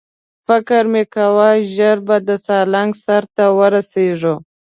فکر مې کاوه ژر به د سالنګ سر ته ورسېږو.